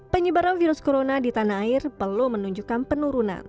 penyebaran virus corona di tanah air belum menunjukkan penurunan